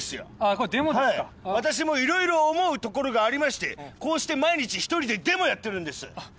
これデモですか私もいろいろ思うところがありましてこうして毎日一人でデモやってるんですあっ